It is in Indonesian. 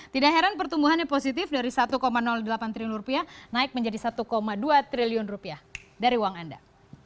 tidak heran pertumbuhannya positif dari rp satu delapan triliun naik menjadi rp satu dua triliun dari uang anda